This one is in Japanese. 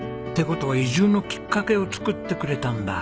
事は移住のきっかけを作ってくれたんだ。